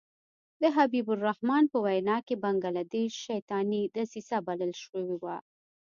د حبیب الرحمن په وینا کې بنګله دېش شیطاني دسیسه بلل شوې وه.